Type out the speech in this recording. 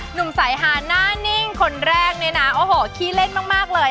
หนุ่มสายฮาหน้านิ่งคนแรกเนี่ยนะโอ้โหขี้เล่นมากเลย